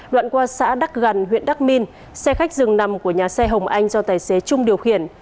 đoạn qua xã đắc gần huyện đắc minh xe khách dừng nằm của nhà xe hồng anh do tài xế trung điều khiển